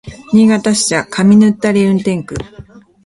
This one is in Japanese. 新潟支社上沼垂運転区